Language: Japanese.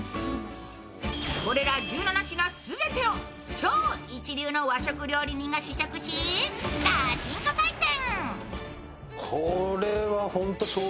これら１７品全てを超一流の和食料理人が試食しガチンコ採点！